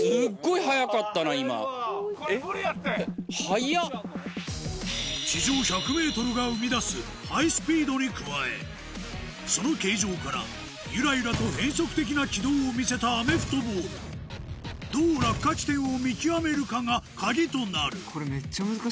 ・・速っ・地上１００ｍが生み出すハイスピードに加えその形状からゆらゆらと変則的な軌道を見せたアメフトボールどう落下地点を見極めるかが鍵となるこれめっちゃ難しくねえ？